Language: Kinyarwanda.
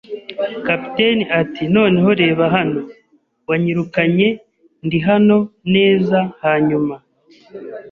Kapiteni ati: “Noneho reba hano.” “Wanyirukanye; Ndi hano; neza, hanyuma,